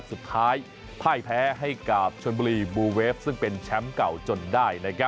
สุดท้ายพ่ายแพ้ให้กับชนบุรีบูเวฟซึ่งเป็นแชมป์เก่าจนได้